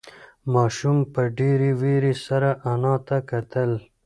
ماشوم په ډېرې وېرې سره انا ته کتل.